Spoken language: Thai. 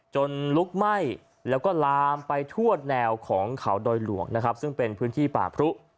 ลุกไหม้แล้วก็ลามไปทั่วแนวของเขาดอยหลวงนะครับซึ่งเป็นพื้นที่ป่าพรุ